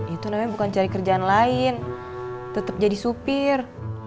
itu namanya bukan cari kerjaan lain tetap jadi supir